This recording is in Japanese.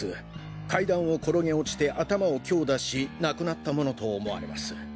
階段を転げ落ちて頭を強打し亡くなったものと思われます。